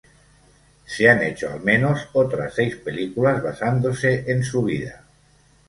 Se han hecho al menos otras seis películas basándose en su vida.